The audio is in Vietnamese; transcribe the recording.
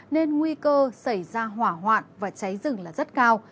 nên nguy cơ xảy ra hỏa hoạn và cháy rừng là rất cao